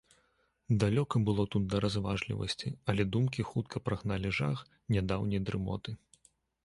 Далёка было тут да разважлівасці, але думкі хутка прагналі жах нядаўняй дрымоты.